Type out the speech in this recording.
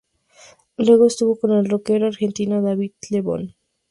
Luego estuvo con el rockero argentino David Lebón.